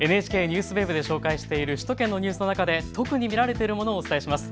ＮＨＫＮＥＷＳＷＥＢで紹介している首都圏のニュースの中で特に見られているものをお伝えします。